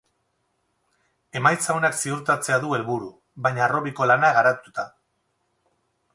Emaitza onak ziurtatzea du helburu, baina harrobiko lana garatuta.